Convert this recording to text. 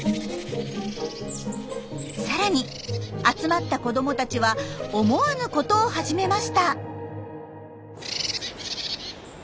さらに集まった子どもたちは思わぬことを始めました。